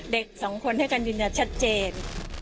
เด็กสองคนให้กันยืนยันชัดเจน